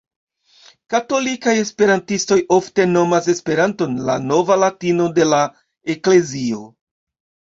Katolikaj esperantistoj ofte nomas Esperanton "la nova latino de la Eklezio".